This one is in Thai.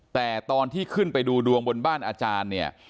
แต่ตอนที่ขึ้นไปดูดวงบนบ้านอาจารย์เนี่ย